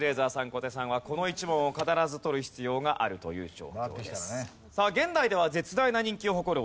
小手さんはこの１問を必ず取る必要があるという状況です。